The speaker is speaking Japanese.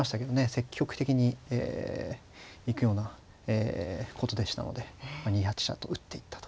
積極的に行くようなことでしたので２八飛車と打っていったと。